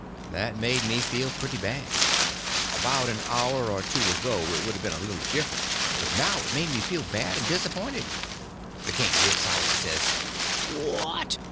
That made me feel pretty bad. About an hour or two ago it would a been a little different, but now it made me feel bad and disappointed, The king rips out and says: "What!